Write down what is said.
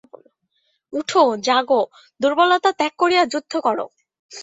উঠ, জাগো, দুর্বলতা ত্যাগ করিয়া যুদ্ধ কর।